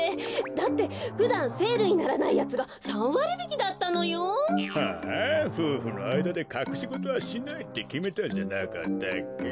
だってふだんセールにならないやつが３わりびきだったのよ。はあふうふのあいだでかくしごとはしないってきめたんじゃなかったっけ？